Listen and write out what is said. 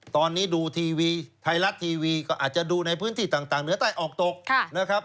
ตอนนี้ดูทีวีไทยรัฐทีวีก็อาจจะดูในพื้นที่ต่างเหนือใต้ออกตกนะครับ